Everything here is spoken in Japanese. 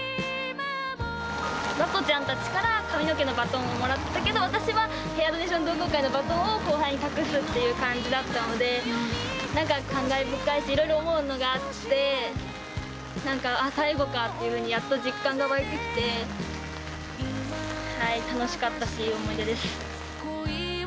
和恋ちゃんたちから髪の毛のバトンをもらったけど、私はヘアドネーション同好会のバトンを後輩に託すっていう感じだったので、なんか感慨深いし、いろいろ思うのがあって、なんか、ああ、最後かって実感が湧いてきて、楽しかったし、いい思い出です。